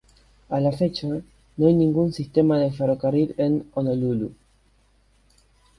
A la fecha, no hay ningún sistema de ferrocarril en Honolulu.